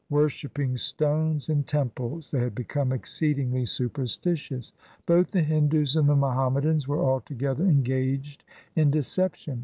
Worshipping stones and temples they had become exceed ingly superstitious. Both the Hindus and the Muhammadans were altogether engaged in deception.